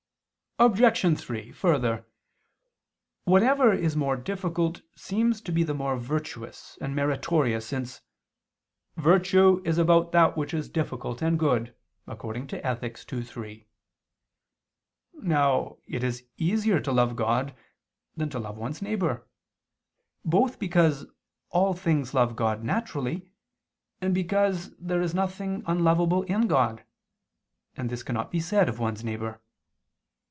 Obj. 3: Further, whatever is more difficult seems to be more virtuous and meritorious since "virtue is about that which is difficult and good" (Ethic. ii, 3). Now it is easier to love God than to love one's neighbor, both because all things love God naturally, and because there is nothing unlovable in God, and this cannot be said of one's neighbor.